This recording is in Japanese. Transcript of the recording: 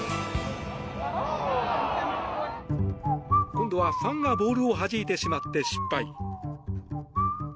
今度はファンがボールをはじいてしまって失敗。